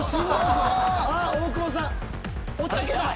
大久保さんおたけだ。